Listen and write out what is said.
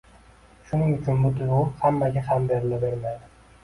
Shuning uchun bu tuyg‘u hammaga ham berilavermaydi.